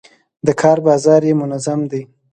د کار بازار یې منظم دی.